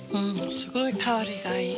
すごい香りがいい。